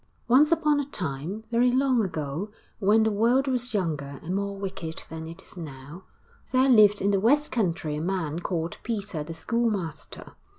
II Once upon a time, very long ago, when the world was younger and more wicked than it is now, there lived in the West Country a man called Peter the Schoolmaster.